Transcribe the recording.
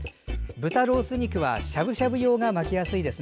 豚ロース肉はしゃぶしゃぶ用が巻きやすいです。